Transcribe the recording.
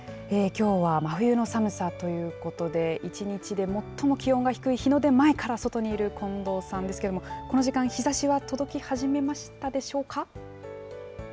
きょうは真冬の寒さということで、１日で最も気温が低い日の出前から外にいる近藤さんですけれども、この時間、日ざしは届き始めましたでしょうか？